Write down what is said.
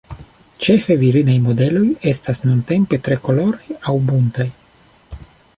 Ĉefe virinaj modeloj estas nuntempe tre koloraj aŭ buntaj.